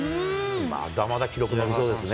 まだまだ記録伸びそうですね。